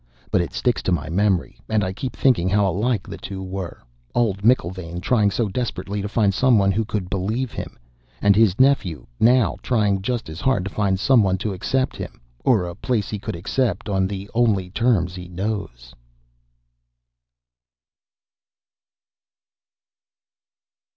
But it sticks to my memory, and I keep thinking how alike the two were old McIlvaine trying so desperately to find someone who could believe him, and his nephew now trying just as hard to find someone to accept him or a place he could accept on the only terms he knows."